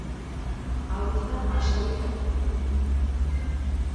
Hau ez da askorik aldatu...